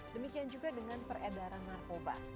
demikian juga dengan peredaran narkoba